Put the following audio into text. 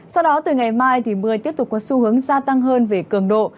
sau đó từ ngày mai mưa tiếp tục có xu hướng gia tăng hơn về cường độ